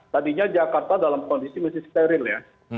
tadinya jakarta dalam kondisi masih steril ya